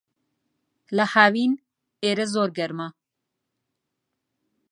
لە ھاوین، ئێرە زۆر گەرمە.